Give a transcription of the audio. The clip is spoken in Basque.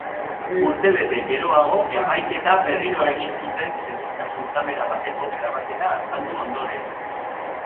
Urtebete geroago epaiketa berriro egin zuten, segurtasun kamera bateko grabaketa azaldu ondoren.